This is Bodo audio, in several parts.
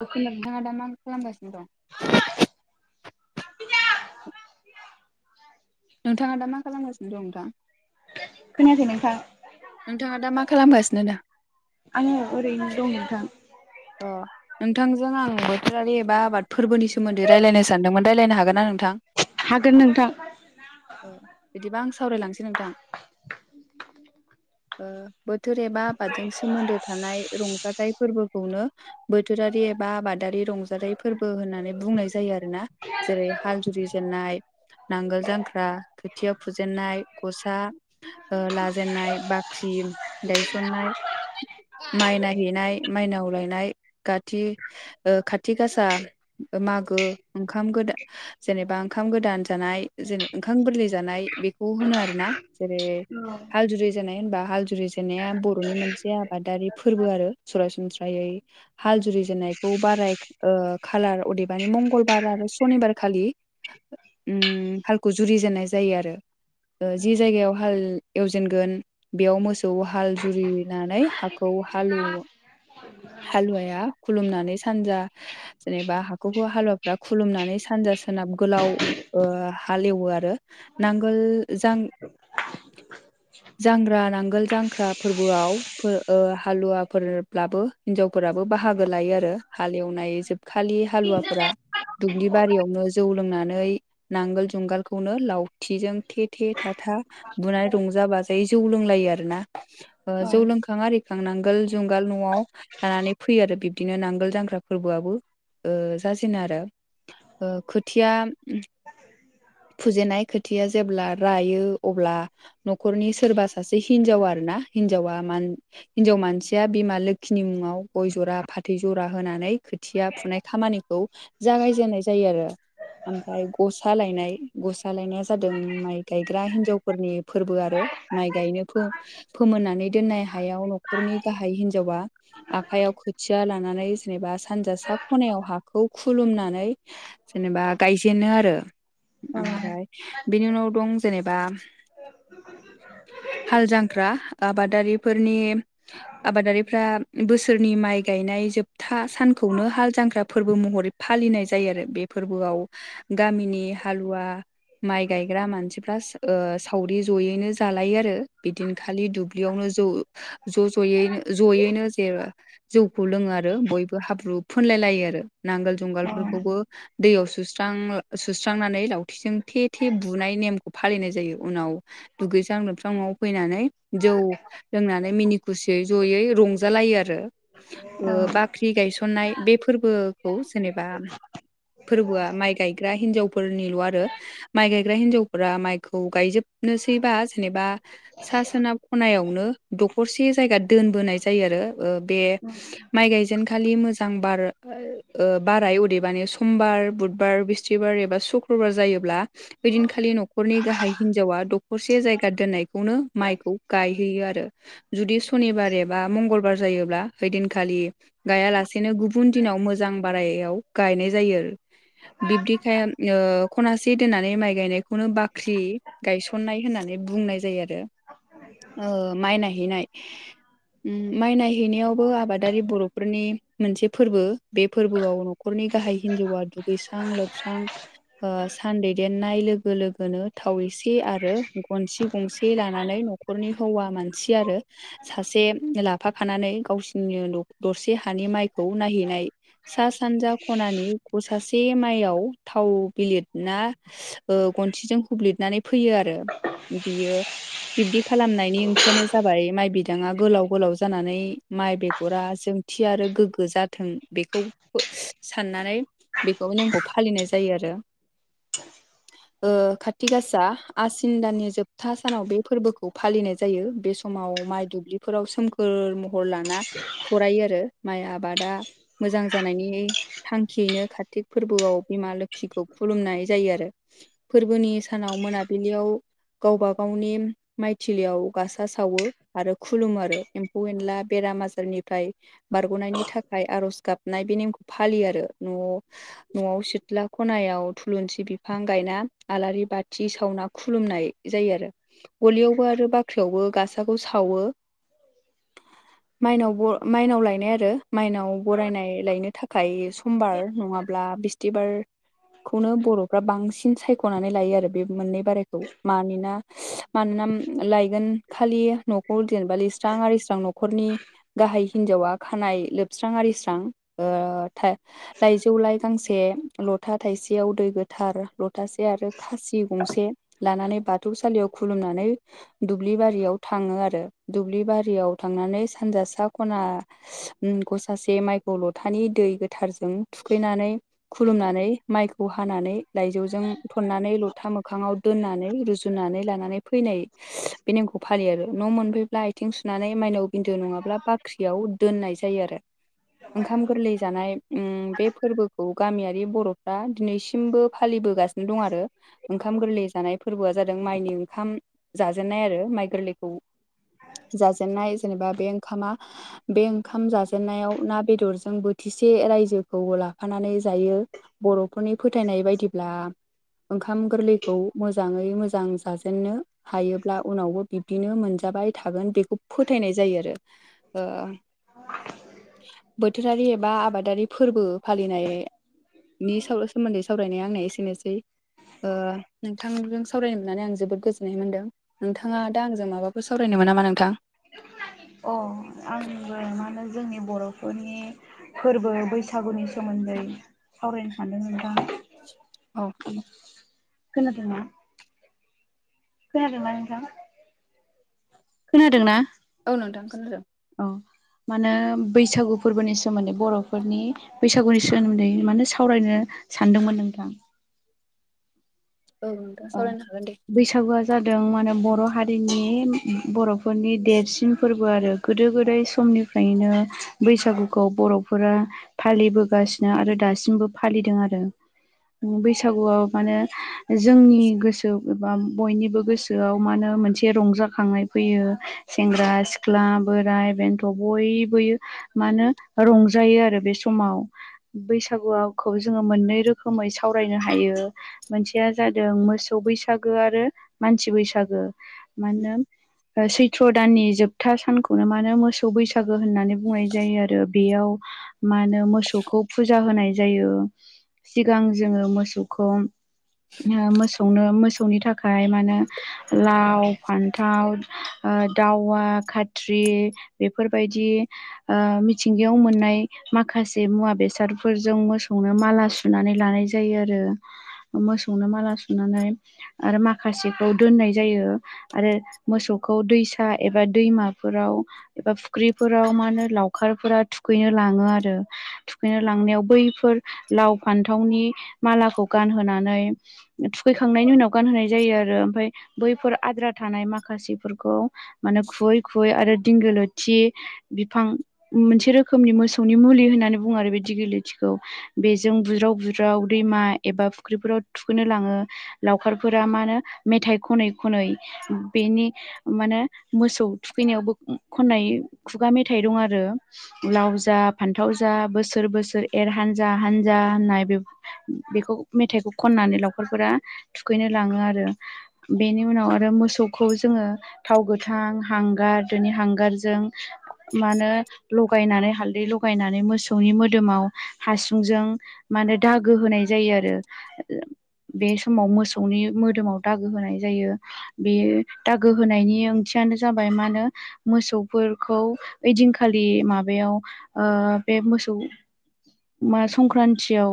औ खोनादों नोंथाङा दा मा खालामगासिनो दं? नोंथाङा दा मा खालामगासिनो दं नोंथां? खोनायाखै नोंथां। नोंथाङा दा मा खालामगासिनो दा? आङो ओरैनो दं नोंथां। अ नोंथांजों आं बोथोरारि एबा आबाद फोर्बोनि सोमोन्दै रायलायनो सानदोंमोन। रायलायनो हागोन ना नोंथां? हागोन नोंथां। ओ बिदिबा आं सावरायलांनोसै नोंथां। ओ बोथोर एबा आबादजों सोमोन्दो थानाय रंजाथाइ फोर्बो खौनो बोथोरारि एबा आबादारि रंजानाय फोरबो होननानै बुंनाय जायो आरोना। जेरै हाल जुरि जेननाय नांगोल जांख्रा खोथिया फुजेनन्नाय गसा ओ लाजेनाय बाख्रि गायसननाय माइ नायहैनाय माइनाव लायनाय गाथि ओ खाथि गासा मागो ओंखाम गोदा जेनेबा ओंखाम गोदान जानाय जेने ओंखाम गोरलै जानाय बेखौ होनो आरोना। जेरै हाल जुरि जेन्नाय होनबा हाल जुरि जेननाया बर'नि मोनसे आबादारि फोर्बो आरो सरासनस्रायै हाल जुरि जेननायखौ बाराय ओ खालार अदेबानि मंगलबार आरो सनिबार खालि उम हालखौ जुरिजेननाय जायो आरो। ओ जि जायगायाव हाल एवजेनगोन बेयाव मोसौ हाल जुरिनानै हाखौ हालौवो। हालुवाया खुलुमनानै सानजा जेनेबा हा खौबो हालुवाफ्रा खुलुमनानै सानजा सोनाब गोलाव ओ हालेवो आरो। नांगोल जां जांग्रा नांगोल जांख्रा फोर्बोआव फोर ओ हालुवाफोरब्लाबो हिन्जावफोराबो बाहागो लायो आरो। हालेवनाय जोबखालि हालुवाफोरा दुब्लि बारियावनो जौ लोंनानै नांगोल जुंगालखौनो लावथिजों थे थे थाथा बुनानै रंजा बाजायै जौ लोंलायो आरोना ओ औ जौ लों खां आरिखां नांगोल जुंगाल न'आव लानानै फैयो आरो बिब्दिनो नांगोल जांग्रा फोर्बोआबो ओ जाजेनो आरो। ओ खोथिया फुजेनाय खोथिया जेब्ला रायो अब्ला न'खरनि सोरबा सासे हिनजाव आरोना हिनजावा मान हिनजाव मानसिया बिमा लोखिनि मुङाव गय ज'रा फाथै ज'रा होनानै खोथिया फुनाय खामानिखौ जागायजेननाय जायो आरो। ओमफ्राय ग'सा लायनाय ग'सा लायनाया जादों माइ गायग्रा हिन्जावफोरनि फोर्बो आरो। माइ गायनो फो-फोमोननानै दोननाय हायाव न'खरनि गाहाय हिनजावा आखाइयाव खोथिया लानानै जेनेबा सानजा सा ख'नायाव हाखौ खुलुमनानै जेनेबा गायजेनो आरो। औ ओमफ्राय बेनि उनाव दं जेनेबा हाल जांख्रा आबादारिफोरनि आबादारिफ्रा बोसोरनि माइ गायनाय जोबथा सानखौनो हाल जांख्रा फोरबो महरै फालिनाय जायो आरो बे फोर्बोआव गामिनि हालुवा माइ गायग्रा मानसिफ्रा सो ओ सावरि जयैनो जालायो आरो बिदिन खालि दुब ब्लियावनो ज' ज' ज'यैनो ज'यैनो [unintelligible] जौखौ लोङो आरो बयबो हाब्रु फोनलाय लायो आरो नांगोल जुंगालफोरखौबो दैयाव सुस्रां ओ सुस्रांनानै लावथिजों थे थे बुनाय नेमखौ फालिनाय जायो उनाव दुगैस्रां लोबस्रां न'आव फैनानै जौ लोंनानै मिनि खुसियै ज'यै रंज जालायो आरो ओ बाख्रि गायसननाय बे फोर्बोखौ जेनेबा फोर्बोआ माइ गायग्रा हिनजावफोरनिल' आरो। माइ गायग्रा हिनजावफोरा माइखौ गायजोबनोसैबा जेनेबा सा सोनाब ख'नायावनो दख'रसे जायगा दोनबोनाय जायो आरो ओ बे माइ गायजेनखालि मोजां बार बाराय अदेबानि समबार बुधबार बिस सथिबार एाुक्रबार जायो बेदिनखालि न'खरनि गाहाय हिनजावा दखरसे जायगा दोननायखौनो माइखौ गाय यो आरो जुदि सनिबार एबा मंगलबार जायोब्ला ओइदिनखालि गायालासेनो गुबुन दिनाव मोजां बारायाव गायनाय जायो आरो। बिब्दिखाय खनासे दोननानै माइ गायनायखौनो बाख्रि गायसननाय होननानै बुंनाय जायो आरो माइ नायहैनाय माइ नायहैनायावबो आबादारि बर'फोरनि मोनसे फोरबो बे फोरबोआव न न'खरनि गाहाय हिन्जावा दुगैस्रां लोबस्रां सान दैदेननाय लोगो लोगोनो थाव एसे आरो गनसे गंसे लानानै न' न'खरनि हौवा मानसि आरो सासे लाफाखानानै गावसिनि दरसे हानि माइखौ नायहैनाय सा सानजा खनानि ग सासे माइयाव थाव बिलिर नना गनसेजों हुब्ललिदनानै फैयो आरो बियो। बिब्दि खालामनायनि ओंथियानो जाबाय माइ बिदाङा गोलाव गोलाव जानानै माइ बेगरा जोंथि आरो गोग्गो जाथों बेखौ साननानै बेखौ नेमखौ फालिनाय जायो आरो। कारथि गासा आसिन दानानि जोबथा सानाव बे फोरबोखौ फालिनाय जायो बे सम समाव माइ दुब्लिफोराव सोमखोर महर लाना थरायो आरो माइ आबादा मोजां जानायनि थांखियैनो कार्तिक फोरबोआव बिमा लोखिखौ खुलुमनाय जायो आरो। फोरबोनि सानाव मोनाबिलियाव गावबा गावनि माइथिलियाव गासा सावो आरो खु खुलुमो आरो एम्फौ एनला बेराम आजारनिफ्राय बारग'नायनि थाखाय आर'ज गाबनाय बे नेमखौ फालियो आरो। न' न'आव सिथ्ला खनायाव थुलुंसि बिफां गायना आलारि बाथि सावना खुलुमनाय जायो आरो। गलियावबो आरो बाख्रियावबो गासाखौ सावो माइनाव माइनाव लायनाय आरो माइनाव बरायनाय लायनो थाखा फ्राय समबार नङाब्ला बिस्थिबार खौनो बर'फ्रा बांसिन सायख'नानै लायो आरो बे मोननै बारायखौ मानोना मानोना लायगोन खालि न'खौ जेनेबा लिरस्रां आरिस्रां न'खरनि गाहाय हिन्जावा खानाय लोबस्रां आरिस्रां लाइजौ लाइ गांसे लथा थाइसेयाव दै गोथार सथासे आरो खासि गंसे लानानै बाथौसालियाव खुलुमनानै दुब्लि बारियाव थाङो आरो। दुब्लि बारियाव थांनानै सानजा सा खना उम गसासे माइखौ लथानि दै गोथारजों थुखैनानै खुलुमनानै माइखौ हानानै लाइजौजों थन्नानै लथा मोखाङाव दोननानै रुजुनानै लानानै फैनाय बे नेमखौ फालियो आरो न' मोनफै आइथिं सुनानै माइनाव बिदो नङाब्ला बाख्रियाव दोननाय जायो आरो। ओंखाम गोरलै जानाय बे फोरबोखौ गामियारि बर'फ्रा दिनैसिमबो फालिबोगासिनो दं आरो। ओंखाम गोरलै जानाय फोरबोआ जादों माइनि ओंखाम जाजेननाय आरो माइ गोरलैखौ जाजेननाय जेनेबा बे ओंखामा बे ओंखाम जाजेनन्नायाव ना बेदरजों बोथिसे रायजोखौ लाफानानै जायो। बर' फोरनि फोथायनाय बायदिब्ला ओंखाम गोरलैखौ मोजाङै मोजां जाजेननो हायोब्ला उनावबो बिब्दिनो मोनजाबाय थागोन बेखौ फोथायनाय जायो आरो। बोथोरारि एबा आबादारि फोरबो फालिनाय नि सायाव सोमोन्दै सावरायनाया आंनो एसेनोसै ओ नोंथांजों सावरायनो मोननानै आं जोबोद गोजोननाय मोन्दों। नोंथाङा दा आंजों माबाफोर सावरायनो मोन नामा नोंथां अ आंबो मा होनो जोंनि बर'फोरनि फोरबो बैसागुनि सोमोन्दै सावरायनो सानदों नोंथां। औ [inaudible] खोनादोंना खोनादोंना नोंथां? खोनादोंना औ नोंथां खोनादों औ मानो बैसागु फोरबोनि सोमोन्दै बर'फोरनि बैसागुनि सोमोन्दै मानो सावरायनो सानदोंमोन नोंथां औ नोंथां सावरायनो हागोन दे। बैसागुआ जादों मानो बर' हारिनि बर'फोरनि देरसिन फोरबो आरो गोदो गोदाय समनिफ्रायनो बैसागुखौ बर'फोरा फालिबोगासिनो आरो दासिमबो फालिदों आरो। बैसागुआव मानो जोंनि गोसो एबा बयनिबो गोसोआव मा होनो मोनसे रंजाखांनाय फैयो। सेंग्रा सिख्ला बोराय बेन्थ' बयबोयो मा होनो रंजायो आरो बे समाव। बैसागुवावखौ जोङो मोननै रोखोमै सावरायनो हायो मोनसेया जादों मोसौ बैसागो आरो मानसि बैसागो मा होनो ओ सैथ्र' दाननि जोबथा सानखौनो मा होनो मोसौ बैसागो होननानै बुंनाय जायो आरो बेयाव मा होनो मोसौखौ फुजा होनाय जायो सिगां जोङो मोसौखौ मोसौनो मोसौनि थाखाय मा होनो लाव फान्थाव ओ दावा खाथ्रि बेफोरबायदि ओ मिथिंगायाव मोननाय माखासे मुवा बेसादफोरजों मोसौनो माला सुनानै लानाय जायो आरो। मोसौनो माला सुनानै आरो माखासेखौ दोननाय जायो आरो मोसौखौ दैसा एबा दैमाफोराव एबा फुख्रिफोराव मा होनो लावखारफोरा थुखैनो लाङो आरो। थुखैनो लांनायाव बैफोर लाव फान्थावनि मालाखौ गानहोनानै थुखैखांनायनि उनाव गानहोनाय जायो आरो ओमफाय बैफोर आद्रा थानाय माखासेफोरखौ माने खुुवै खुैवै आरो दिंगो लोथि बिफां मोनसे रोखोमनि मोसौनि मुलि होननानै बुङो आरो बिदि गिलेथिखौ बेजों बुज्राव बुज्राव दैमा एबा फुख्रिफोराव थुखैनो लाङो। लावखारफोरा मा होनो मेथाइ खनै खनै बेनि मानो मोसौ थुखैनायावबो खननाय खुगा मेथाइ दं आरो लाव जा फान्थाव जा बोसोर बोसोर एर हानजा हानजा होननाय बे बेखौ मेथाइखौ खननानै लावखारफोरा थुखैनो लाङो आरो बेनि उनाव आरो मोसौखौ जोङो थाव गोथां हांगार दोनि हांगारजों मानो लगायनानै हालदै लगायनानै मोसौनि मोदोमाव हासुंजों मानो दागो होनाय जायो आरो बे समाव मोसौनि मोदोमाव दागो होनाय जायो। बे दागो होनायनि ओंथियानो जाबाय मा होनो मोसौफोरखौ ओइदिनखालि माबायाव ओ बे मोसौ मा संक्रान्तियाव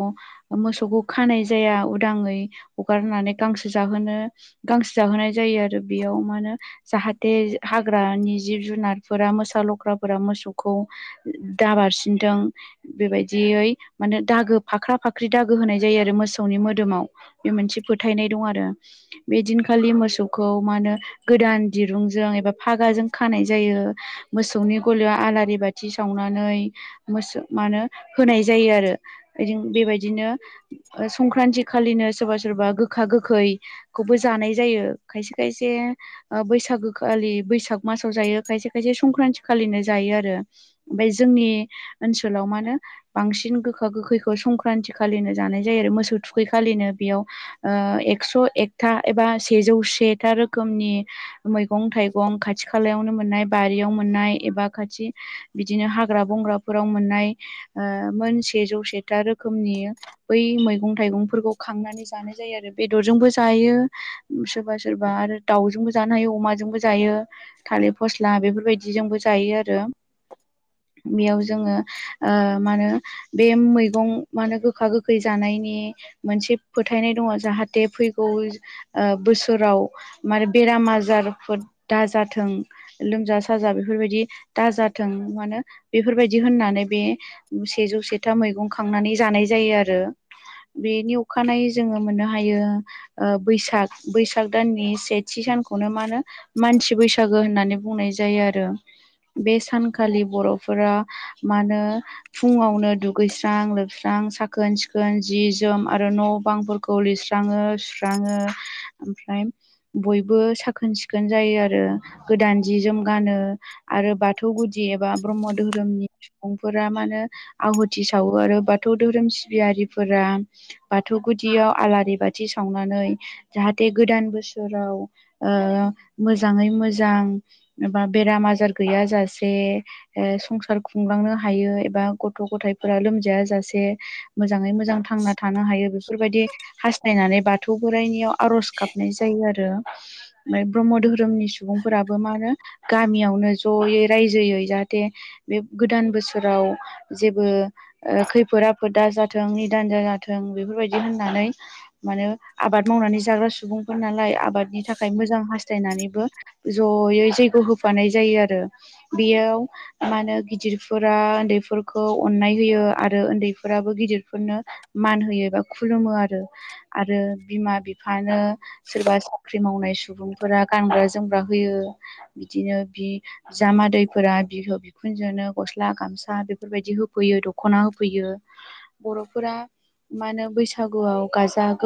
मोसौखौ खानाय जाया उदाङै हगारनानै गांसो जाहोनो गांसो जाहोनाय जायो आरो बेयाव मा होनो जाहाथे हा हाग्रानि जिब जुनारफोरा मोसा लख्राफोरा मोसौखौ दाबारसिनदों बेबायदियै माने दागो फाख्रा फाख्रि दागो होनाय जायो आरो मोसौनि मोदोम मोदोमाव बे मोनसे फोथायनाय दं आरो बेदिनखालि मोसौखौ मा होनो गोदान दिरुंजों एबा हागाजों खानाय जायो मोसौनि गलियाव आलारि बाथि सावनानै मोसौ माने होनाय होनाय जायो आरो दि बेबायदिनो संक्रान्ति खालिनो सोरबा सोरबा गोखा गोखै खौबो जानाय जायो खायसे खायसे ओ बैसागोखालि बैसाग मासाव जायो खायसे खायसे संक्रान्ति खालिनो जायो आरो ओमफ्राय जोंनि ओनसोलाव मा होनो बांसिन गोखा गोखैखौ संक्रान्ति खालिनो जानाय जायो आरो मोसौ थुखैखालिनो बेयाव ओ एक्स' एकथा एबा सेजौ सेथा रोखोमनि मैगं थाइगं खाथि खालायावनो मोननाय बारियाव मोननाय एबा खाथि बिदिनो हाग्रा बंग्राफोराव मोननाय मोन सेजौ सेथा रोखोमनि बै मैगं मैगं थाइगंफोरखौ खांनानै जानाय जायो आरो बेदरजोंबो जायो सोरबा सोरबा आरो दावजोंबो जानो हायो अमाजोंबो जायो थालिर फस्ला बेफोरबायदि जिजोंबो जायो आरो बेयाव जोङो ओ मा होनो बे मैगं मा होनो गोखा गोखै जानायनि नि मोनसे फोथायनाय दङ जाहाथे फैगौ ओ बोसोराव मार बेराम आजारफोर दाजाथों लोमजा साजा बेफोरबायदि दाजाथों मानो बेफोरबायदि होननानै बे सेजौ सेथा मैगं खांनानै जानाय जायो आरो बेनि अखानायै जोङो मोननो हायो ओ बैसाग बैसाग दाननि सेथि सानखौनो मा होनो मानसि बैसागो होननानै बुंनाय जायो आरो बे सानखालि बर'फोरा मा होनो फुङावनो दुगैस्रां लोबस्रां साखोन सिखो जि जोम आरो न' बांफोरखौ लिरस्राङो सुस्राङो ओमफ्राय बयबो साखोन सिखोन जायो आरो गोदान जि जोम गानो आरो बाथौ गुदि एबा ब्रह्म धोरोमनि सुबुंफोरा मानो आहुथि सावो आरो बाथौ धोरोम सिबियारिफोरा बाथौ गुदियाव आलारि बाथि सावनानै जाहाथे गोदान बोसोराव ओ मोजाङै मोजां एबा बेराम आजार गैयाजासे ओ संसार खुंलांनो हायो एबा गथ' गथाइफोरा लोमजायाज जासे मोजाङै मोजां थांना थानो हायो बे बेफोरबायदि हास्थायनानै बाथौ बोराइनियाव आरज गाबनाय जायो आरो ओमफ्राय ब्रह्म धोरोमनि सुबुंफोराबो मा होनो गामियावनो ज'यै रायजोयै जाहाथे बे गोदान बोसोराव जेबो खैफोद आफोदा जाथो थों निदान जा-जाथों बेफोरबायदि होननानै मानो आबाद मावनानै जाग्रा सुबुंफोर नालाय आबादनि थाखाय मोजां हास हाथायनानैबो जयै जैग' होफानाय जायो आरो बेयाव मा होनो गिदिरफोरा उन्दैफोरखौ अननाय होयो आरो उन्दैफोराबो गिदिर बेफोरनो मान होयो एबा खुलुमो आरो आरो बिमा बिफानो सोरबा साख्रि मावनाय सुबुंफोरा गानग्रा जोमग्रा होयो बिदिनो बिदिनो बि बिजामादैफोरा बिहाव बि बिखुनजोनो गस्ला गामसा बेफोरबायदि होफैयो दख'ना होफैयो बर'फोरा मानो बैसागुआव गाजा गोम